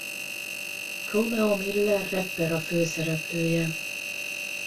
Romeo Miller rapper a főszereplője.